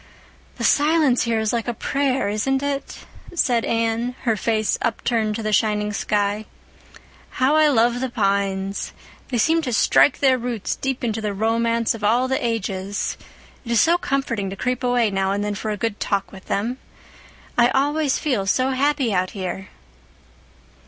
"The silence here is like a prayer, isn't it?" said Anne, her face upturned to the shining sky. "How I love the pines! They seem to strike their roots deep into the romance of all the ages. It is so comforting to creep away now and then for a good talk with them. I always feel so happy out here."